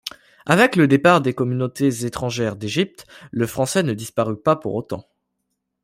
Avec le départ des communautés étrangères d'Égypte, le français ne disparut pas pour autant.